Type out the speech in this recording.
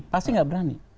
pasti nggak berani